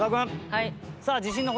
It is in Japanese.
はい。